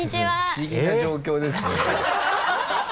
不思議な状況ですね。